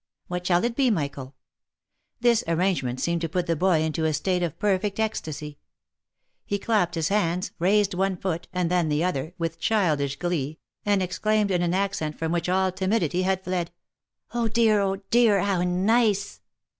What shall it be, Michael ?" This ar rangement seemed to put the boy into a state of perfect ecstasy ; he clapped his hands, raised one foot, and then the other, with childish glee, and exclaimed in an accent from which all timidity had fled, " Oh ! dear, oh ! dear, how nice